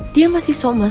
dia masih somes